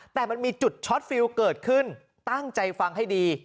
แต่มันมีจุดช็อตฟิลเกิดขึ้นตั้งใจฟังให้ดี